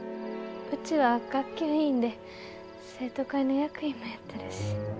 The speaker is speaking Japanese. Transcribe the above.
うちは学級委員で生徒会の役員もやってるし。